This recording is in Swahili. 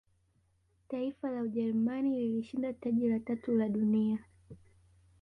taifa la ujerumani lilishinda taji la tatu la dunia